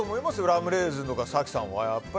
ラムレーズンとか早紀さん。